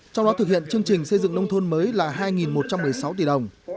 trong đó thực hiện chương trình xây dựng nông thôn mới là hai một trăm một mươi sáu tỷ đồng